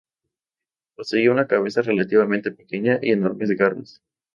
Poseía una cabeza relativamente pequeña y enormes garras.